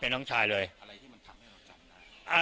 น้องชายเลยอะไรที่มันทำให้เราจำได้